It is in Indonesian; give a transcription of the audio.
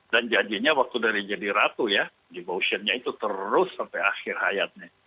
dan jadinya waktu dari jadi ratu ya devotionnya itu terus sampai akhir hayatnya